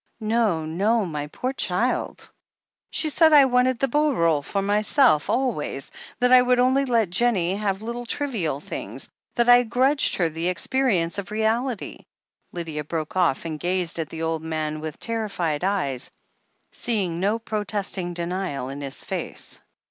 "No, no, my poor child I" "She said I wanted the beau role for myself always, that I would only let Jennie have the little trivial things — that I grudged her the experience of reality " Lydia broke off and gazed at the old man with terri fied eyes, seeing no protesting denial in his face.